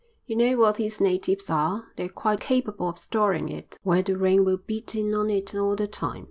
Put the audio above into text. You know what these natives are, they're quite capable of storing it where the rain will beat in on it all the time."